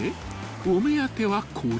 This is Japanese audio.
［お目当てはこれ］